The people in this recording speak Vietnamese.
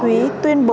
thúy tuyên bố